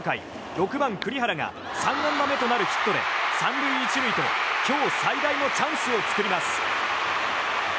６番、栗原が３安打目となるヒットで３塁１塁と今日最大のチャンスを作ります。